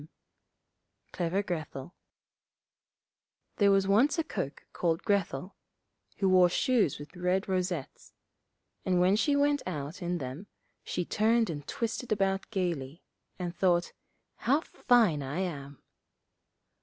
}] Clever Grethel There was once a cook called Grethel, who wore shoes with red rosettes; and when she went out in them, she turned and twisted about gaily, and thought, 'How fine I am!'